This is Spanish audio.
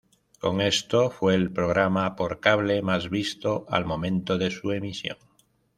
Con esto, fue el programa por cable más visto al momento de su emisión.